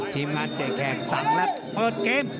ทีมงานเสกแขกสั่งแล้วเปิดเกม